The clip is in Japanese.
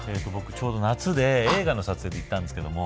ちょうど夏で映画の撮影で行ったんですよ。